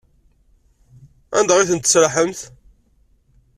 Anda ay tent-tesraḥemt?